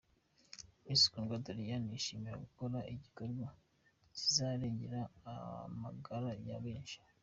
Miss Kundwa Doriane yishimiye gukora igikorwa kizarengera amagara ya benshi.